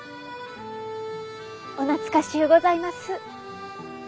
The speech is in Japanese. お懐かしゅうございます。